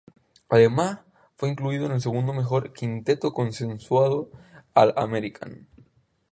Además fue incluido en el segundo mejor quinteto consensuado All-American.